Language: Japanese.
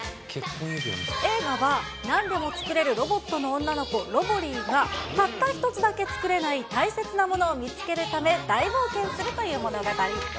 映画は、なんでも作れるロボットの女の子、ロボリィが、たった一つだけ作れない大切なものを見つけるため、大冒険するという物語。